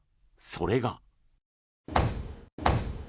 それが。